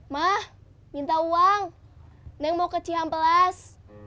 ma minta uang neng mau ke cihampelas